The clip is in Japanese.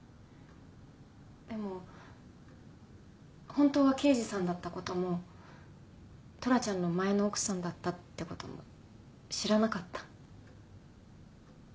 でも本当は刑事さんだった事もトラちゃんの前の奥さんだったって事も知らなかった。